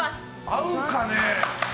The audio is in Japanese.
合うんかね。